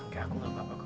kayak aku gak apa apa kok